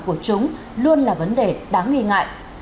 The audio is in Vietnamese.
của chúng luôn là vấn đề đáng nghi ngại